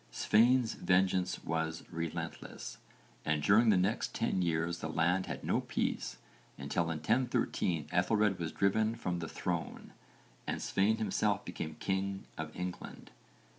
Svein's vengeance was relentless, and during the next ten years the land had no peace until in 1013 Ethelred was driven from the throne, and Svein himself became king of England.